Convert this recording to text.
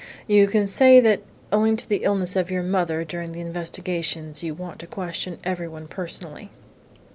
You can say that, owing to the illness of your mother during the investigations, you want to question everyone personally."